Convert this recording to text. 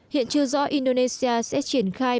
hiện chưa rõ indonesia sẽ triển khai